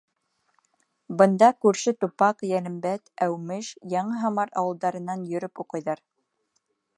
Бында күрше Тупаҡ, Йәлембәт, Әүмеш, Яңы Һамар ауылдарынан йөрөп уҡыйҙар.